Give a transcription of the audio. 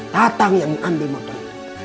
tatang yang mengambil motor